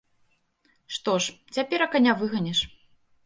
Што ж, цяперака не выганіш.